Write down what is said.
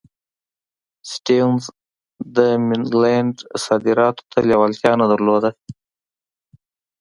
سټیونز د منډلینډ صادراتو ته لېوالتیا نه درلوده.